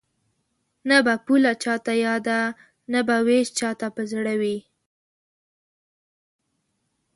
نه به پوله چاته یاده نه به وېش چاته په زړه وي